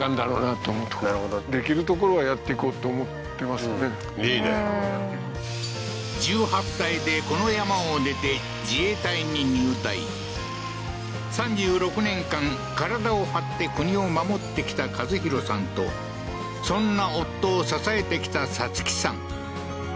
まあなるほどいいね１８歳でこの山を出て自衛隊に入隊３６年間体を張って国を守ってきた一洋さんとそんな夫を支えてきたさつきさん